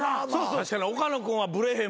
確かに岡野君はブレへんもん。